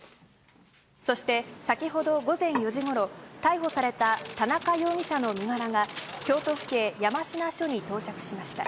そして、先ほど午前４時ごろ、逮捕された田中容疑者の身柄が、京都府警山科署に到着しました。